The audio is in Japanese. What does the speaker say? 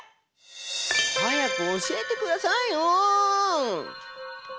早く教えてくださいよ！